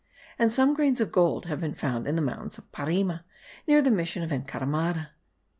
and some grains of gold have been found in the mountains of Parima, near the mission of Encaramada.